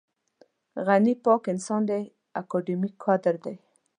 غني پاک انسان دی اکاډمیک کادر دی.